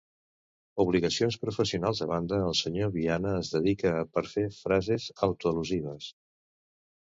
Obligacions professionals a banda, el senyor Viana es dedica a perfer frases autoal·lusives.